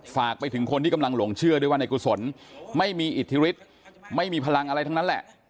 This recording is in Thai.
ฝากไปถึงคนที่กำลังหลงเชื่อด้วยว่าในกุศลไม่มีอิทธิฤทธิ์ไม่มีพลังอะไรทั้งนั้นแหละ